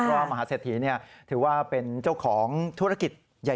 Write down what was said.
เพราะว่ามหาเสถีเนี่ยถือว่าเป็นเจ้าของธุรกิจใหญ่ทั้งนั้นเลยนะครับ